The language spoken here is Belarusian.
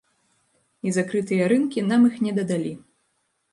І закрытыя рынкі нам іх не дадалі.